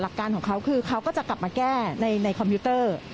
การของเขาคือเขาก็จะกลับมาแก้ในคอมพิวเตอร์